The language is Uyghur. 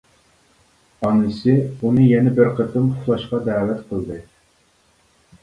-ئانىسى ئۇنى يەنە بىر قېتىم ئۇخلاشقا دەۋەت قىلدى.